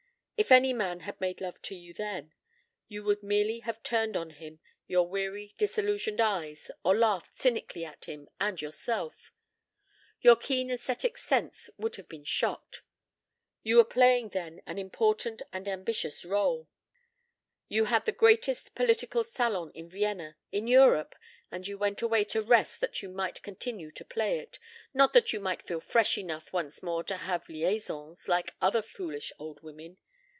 If any man had made love to you then, you would merely have turned on him your weary disillusioned eyes, or laughed cynically at him and yourself. Your keen aesthetic sense would have been shocked. You were playing then an important and ambitious rôle, you had the greatest political salon in Vienna in Europe and you went away to rest that you might continue to play it, not that you might feel fresh enough once more to have liaisons like other foolish old women.